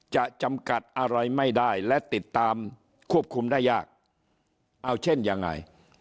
จำกัดอะไรไม่ได้และติดตามควบคุมได้ยากเอาเช่นยังไง